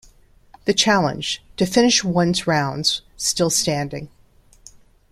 The challenge: to finish one's rounds still standing.